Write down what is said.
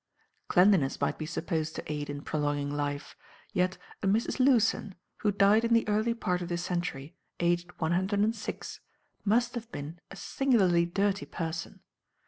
Cleanliness might be supposed to aid in prolonging life, yet a Mrs. Lewson, who died in the early part of this century, aged one hundred and six, must have been a singularly dirty person.